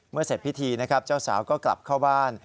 เสร็จพิธีนะครับเจ้าสาวก็กลับเข้าบ้าน